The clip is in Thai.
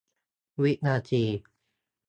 วินาที